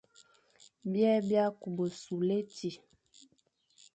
Byè bia kü besule éti,